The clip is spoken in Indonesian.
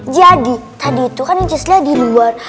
jadi tadi itu kan just lianya diluar